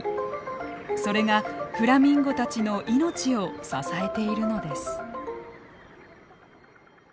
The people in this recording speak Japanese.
それがフラミンゴたちの命を支えているのです。